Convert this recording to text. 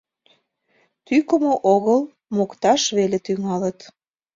Тӱкымӧ огыл, мокташ веле тӱҥалыт.